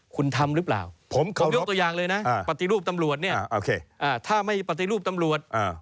คุณทำหรือเปล่าผมยกตัวอย่างเลยนะปฏิรูปตำรวจเนี่ยถ้าไม่ปฏิรูปตำรวจ